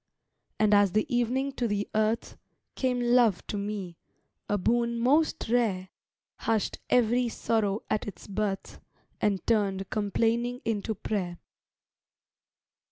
And as the evening to the earth, Came love to me, a boon most rare; Hushed every sorrow at its birth, And turned complaining into prayer.